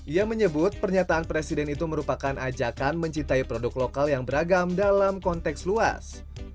ia menyebut pernyataan presiden itu merupakan ajakan mencintai produk lokal yang beragam dalam konteks luas